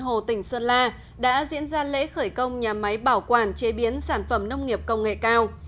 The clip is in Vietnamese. hồ tỉnh sơn la đã diễn ra lễ khởi công nhà máy bảo quản chế biến sản phẩm nông nghiệp công nghệ cao